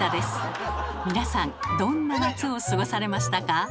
皆さんどんな夏を過ごされましたか？